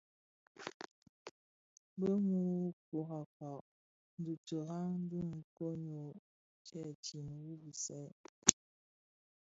Bi mü coukaka dhi tihaň dhi koň nyô-ndhèti wu bisèè.